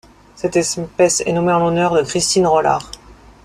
Cette espèce est nommée en l'honneur de Christine Rollard.